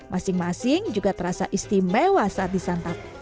masing masing juga terasa istimewa saat disantap